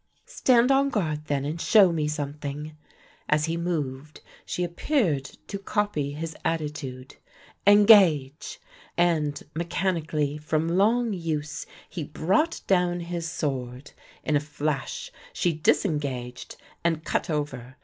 "Stand on guard then, and show me something." As he moved, she appeared to copy his attitude. "Engage," and mechanically from long use he brought down his sword. In a flash she disengaged and cut over.